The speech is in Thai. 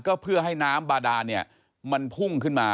ก็เพื่อให้น้ำบาดานเนี่ยมันพุ่งขึ้นมา